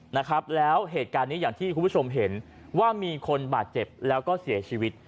นะครับแล้วเหตุการณ์นี้อย่างที่คุณผู้ชมเห็นว่ามีคนบาดเจ็บแล้วก็เสียชีวิต